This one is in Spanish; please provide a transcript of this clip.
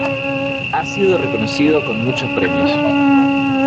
Ha sido reconocida con muchos premios.